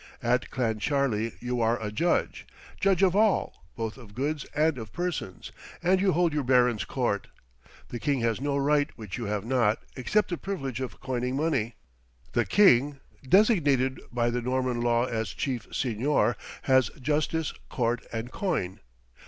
At Clancharlie you are a judge judge of all, both of goods and of persons and you hold your baron's court. The king has no right which you have not, except the privilege of coining money. The king, designated by the Norman law as chief signor, has justice, court, and coin.